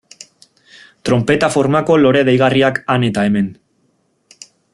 Tronpeta formako lore deigarriak han eta hemen.